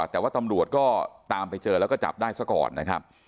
แต่ว่าตำรวจก็ตามไปเจอแล้วก็จับได้ซะก่อนนะครับ